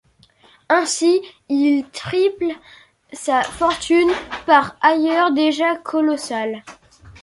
Ainsi il triple sa fortune, par ailleurs déjà colossale.